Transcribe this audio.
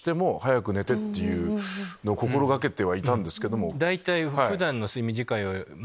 心がけてはいたんですけども。